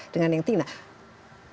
dengan yang tinggi